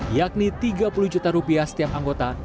yakni tiga puluh juta rupiah setiap anggota